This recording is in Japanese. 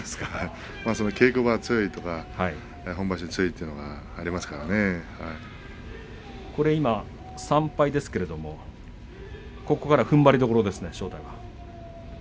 稽古場が強いとかは本場所に強いとかというのがあり３敗ですけれどもここからふんばりどころですね正代は。